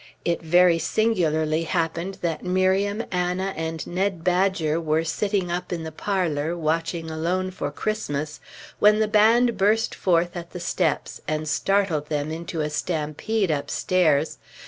It very singularly happened that Miriam, Anna, and Ned Badger were sitting up in the parlor, watching alone for Christmas, when the band burst forth at the steps, and startled them into a stampede upstairs.